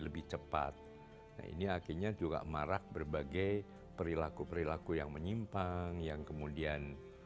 lebih cepat ini akhirnya juga marak berbagai perilaku perilaku yang menyimpang yang kemudian